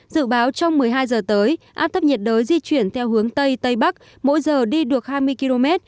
dự báo trong một mươi hai giờ tới áp thấp nhiệt đới di chuyển theo hướng tây tây bắc mỗi giờ đi được hai mươi km